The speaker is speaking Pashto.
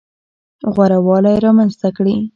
غوره والی رامنځته کړي.